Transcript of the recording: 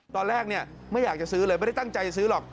ตอนแรกไม่อยากจะซื้อเลยไม่ได้ตั้งใจจะซื้อหรอก